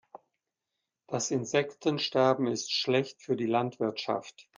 Das Insektensterben ist schlecht für die Landwirtschaft.